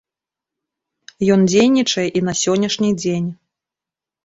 Ён дзейнічае і на сённяшні дзень.